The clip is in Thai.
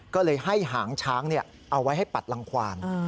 ก็เลยให้หางช้างเอาไว้ให้ปัดรังควาน